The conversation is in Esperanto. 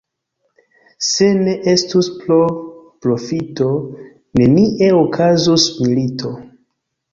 Se ne estus pro profito, nenie okazus milito.